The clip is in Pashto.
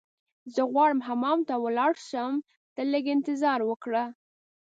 زه غواړم حمام ته ولاړ شم، ته لږ انتظار وکړه.